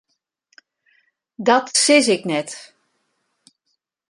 Dat sis ik net.